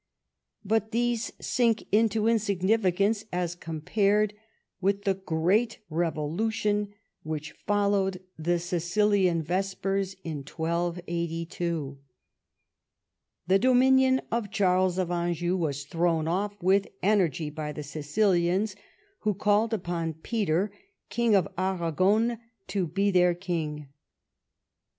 But these sink into insignificance as compared with the great revolution which followed the Sicilian Vespers in 1282. The dominion of Charles of Anjou was thrown off with energy by the Sicilians, who called upon Peter, King of Aragon, to be their king.